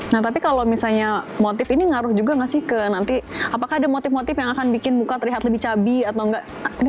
nah tapi kalau misalnya motif ini ngaruh juga nggak sih ke nanti apakah ada motif motif yang akan bikin muka terlihat lebih cabi atau enggak